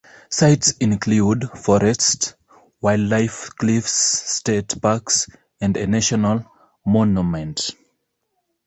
Sights include forests, wildlife, cliffs, state parks, and a national monument.